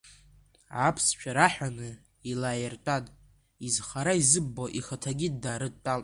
Аԥсшәа раҳәаны, илаиртәан, изхара изымбо, ихаҭагьы днарыдтәалт.